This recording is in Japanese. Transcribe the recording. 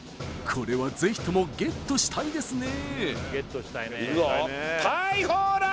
これは是非ともゲットしたいですね